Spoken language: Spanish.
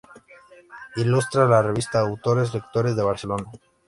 Ilustra la revista "Autores Lectores" de Barcelona.